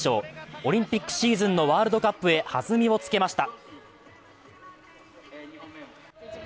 オリンピックシーズンのワールドカップへ弾みをつけました。